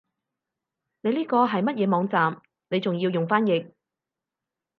你呢個係乜嘢網站你仲要用翻譯